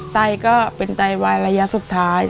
ไตก็เป็นไตวายระยะสุดท้าย